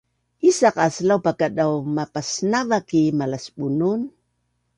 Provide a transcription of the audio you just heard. Isaq aas laupakadau mapasnava ki malasBunun?